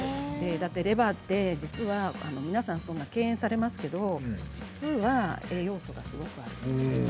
だってレバーって実は皆さん敬遠されますけど栄養素がすごくありますね。